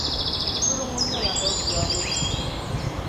Suurili ŋɔ n-nyɛ Alkur’aani suhu.